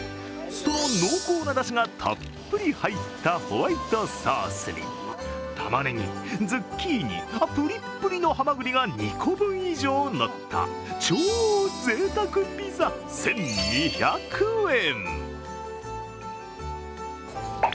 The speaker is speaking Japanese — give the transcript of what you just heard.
その濃厚なだしがたっぷり入ったホワイトソースに、たまねぎ、ズッキーニぷりっぷりのはまぐりが２個分以上乗った超ぜいたくピザ、１２００円。